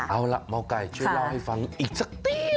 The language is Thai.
เอาล่ะหมอไก่ช่วยเล่าให้ฟังอีกสักตี